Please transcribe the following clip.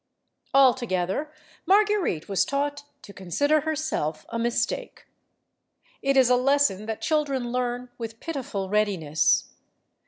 Altogether, Marguerite was taught to consider herself a mistake. It is a lesson that children learn with pitiful readiness.